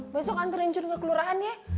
besok anterin jun ke kelurahan ya